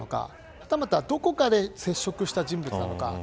はたまたどこかで接触した人物なのか。